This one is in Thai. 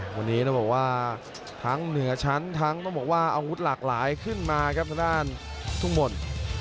วันนี้ต้องบอกว่าทั้งเหนือชั้นทั้งต้องบอกว่าอาวุธหลากหลายขึ้นมาครับทางด้านทุ่งมนต์